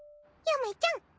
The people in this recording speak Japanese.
ゆめちゃん